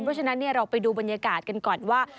เพราะฉะนั้นเราไปดูบรรยากาศกันก่อนว่า